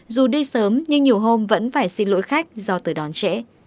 dù đi sớm nhưng nhiều hôm vẫn phải xin lỗi khách do tới đón trễ